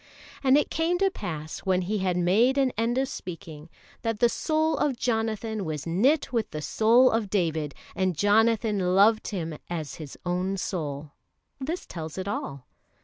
"And it came to pass when he had made an end of speaking, that the soul of Jonathan was knit with the soul of David, and Jonathan loved him as his own soul": this tells it all.